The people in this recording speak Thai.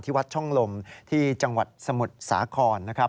วัดช่องลมที่จังหวัดสมุทรสาครนะครับ